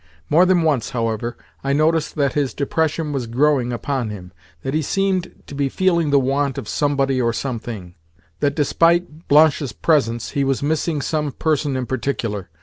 More than once, however, I noticed that his depression was growing upon him; that he seemed to be feeling the want of somebody or something; that, despite Blanche's presence, he was missing some person in particular.